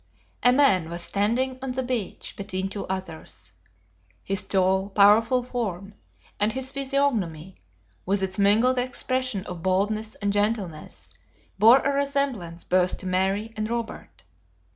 A man was standing on the beach, between two others. His tall, powerful form, and his physiognomy, with its mingled expression of boldness and gentleness, bore a resemblance both to Mary and Robert.